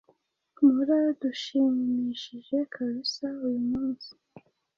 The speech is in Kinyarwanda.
mura dushimishije kabisa. uyu munsi